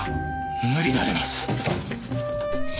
無理であります。